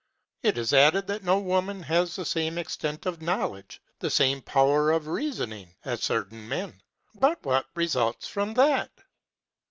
It is added that no woman has the same extent of knowledge, the same power of reasoning, as certain men; but what results from that?